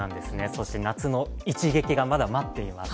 そして、夏の一撃がまだ待っています。